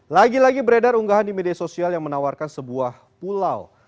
lagi lagi beredar unggahan di media sosial yang menawarkan sebuah pulau